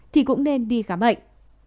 thì cũng nên đi khám bệnh